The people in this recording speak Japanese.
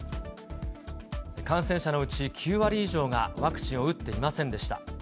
感染者のうち９割以上がワクチンを打っていませんでした。